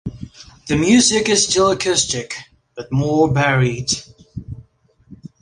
The music is still acoustic, but more varied.